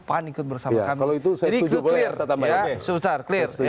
pan ikut bersama kami jadi itu clear clear